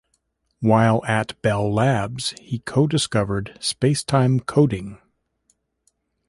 While at Bell Labs, he co-discovered space-time coding.